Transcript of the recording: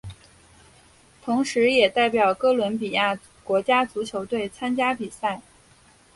同时也代表哥伦比亚国家足球队参加比赛。